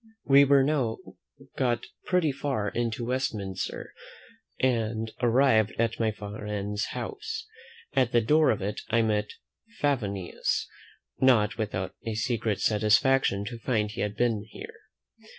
We were now got pretty far into Westminster, and arrived at my friend's house. At the door of it I met Favonius, not without a secret satisfaction to find he had been there.